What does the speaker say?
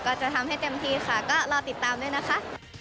จะทำให้เต็มที่ค่ะก็รอติดตามด้วยนะคะ